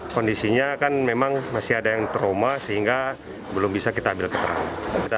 kondisinya kan memang masih ada yang trauma sehingga belum bisa kita ambil keterangan